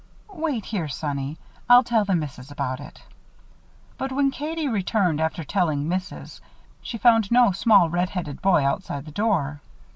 "Wait here, sonny. I'll tell the missus about it." But when Katie returned after telling "Missus," she found no small red headed boy outside the door.